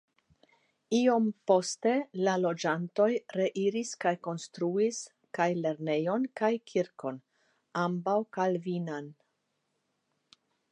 Iom poste la loĝantoj reiris kaj konstruis kaj lernejon kaj kirkon (ambaŭ kalvinanan).